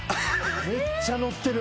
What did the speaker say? めっちゃのってる。